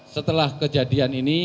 setelah kejadian ini